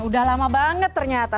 udah lama banget ternyata